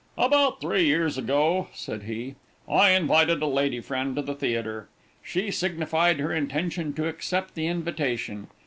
"About three years ago," said he, "I invited a lady friend to the theatre. She signified her intention to accept the invitation.